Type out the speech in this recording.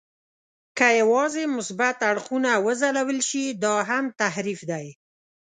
که یوازې مثبت اړخونه وځلول شي، دا هم تحریف دی.